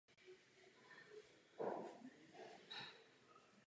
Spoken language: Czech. Nohy jsou pevně na zemi.